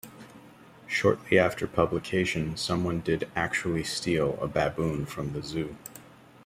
Shortly after publication someone did actually steal a baboon from the Zoo.